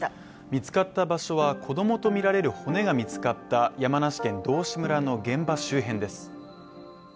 見つかった場所は子供とみられる骨が見つかった山梨県道志村の現場周辺です。